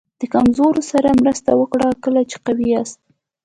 د کمزورو سره مرسته وکړه کله چې قوي یاست.